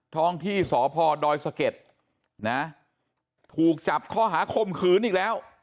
ท้องที่สพดอยสะเก็ดนะถูกจับข้อหาคมขืนอีกแล้ว